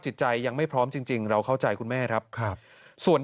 จิตใจยังไม่พร้อมจริงเราเข้าใจคุณแม่ครับครับส่วน